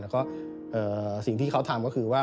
แล้วก็สิ่งที่เขาทำก็คือว่า